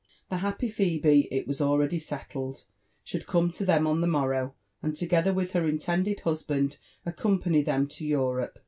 The happy Phebe, it was already settled, should come to them on the morrow, and, together wi(h her intended husband, accompany them to Europe.